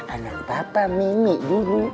anak bapak mimi dulu